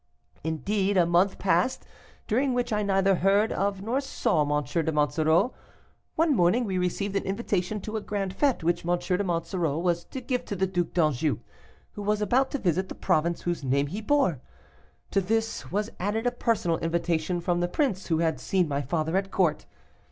"Indeed, a month passed, during which I neither heard of nor saw M. de Monsoreau. One morning we received an invitation to a grand fête which M. de Monsoreau was to give to the Duc d'Anjou, who was about to visit the province whose name he bore. To this was added a personal invitation from the prince, who had seen my father at court.